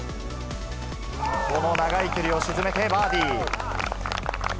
この長い距離を沈めてバーディー。